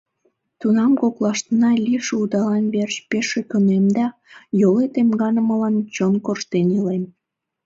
— Тунам коклаштына лийше удалан верч пеш ӧкынем да йолет эмганымылан чон корштен илем.